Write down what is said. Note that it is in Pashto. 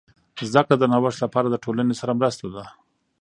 زده کړه د نوښت لپاره د ټولنې سره مرسته ده.